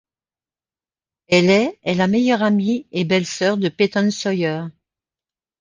Haley est la meilleure amie et belle-sœur de Peyton Sawyer.